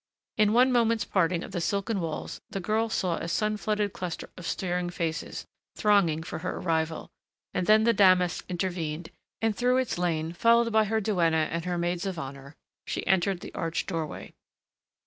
In one moment's parting of the silken walls the girl saw a sun flooded cluster of staring faces, thronging for her arrival, and then the damask intervened and through its lane, followed by her duenna and her maids of honor, she entered the arched doorway.